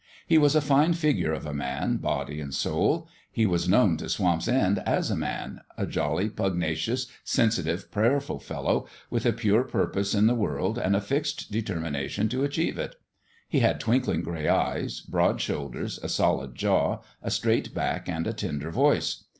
He was a fine figure of a man, body and soul : he was known to Swamp's End as a man a jolly, pugnacious, sensitive, prayerful fellow, with a pure purpose in the world and a fixed de termination to achieve it. He had twinkling gray eyes, broad shoulders, a solid jaw, a straight back and a tender voice.